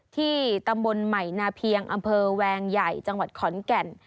ที่ตำบลใหม่นาเพียงอำเภอแวงใหญ่จังหวัดขอนแก่น